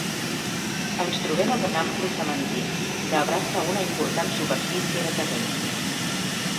Ens trobem amb un ampli cementiri, que abraça una important superfície de terreny.